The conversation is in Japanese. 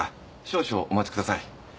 少々お待ちください。